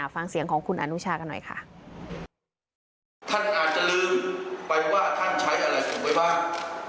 ฟังเสียงของคุณอนุชากันหน่อยค่ะท่านอาจจะลืมไปว่าท่านใช้อะไรส่งไปบ้าง